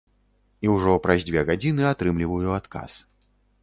І ўжо праз дзве гадзіны атрымліваю адказ.